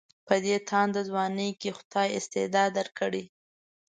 په دې تانده ځوانۍ کې خدای استعداد درکړی.